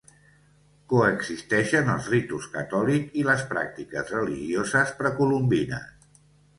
Coexisteixen els ritus catòlics i les pràctiques religioses precolombines.